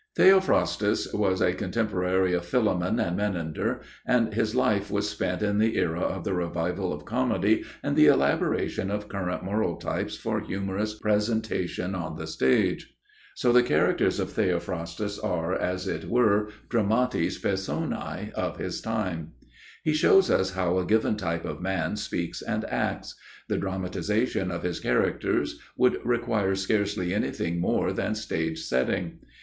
Theophrastus was a contemporary of Philemon and Menander, and his life was spent in the era of the revival of comedy and the elaboration of current moral types for humorous presentation on the stage. So the characters of Theophrastus are, as it were, dramatis personae of his time. He shows us how a given type of man speaks and acts; the dramatization of his characters would require scarcely anything more than stage setting.